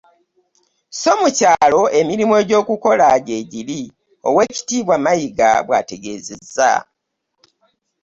So mu kyalo emirimu egy'okukola gye giri, oweekitiibwa Mayiga bw'ategeezezza.